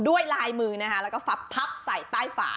ด้วยลายมือแล้วก็ทับใส่ใต้ฝา